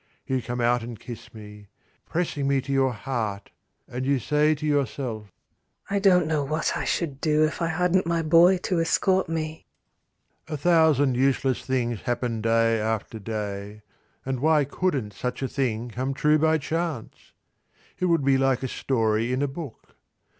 You come out and kiss me, pressing me to your heart, and you say to yourself, "I don't know what I should do if I hadn't my boy to escort me." A thousand useless things happen day after day, and why couldn't such a thing come true by chance? It would be like a story in a book.